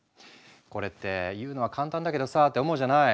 これって言うのは簡単だけどさって思うじゃない？